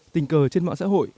tình cờ trên mạng xã hội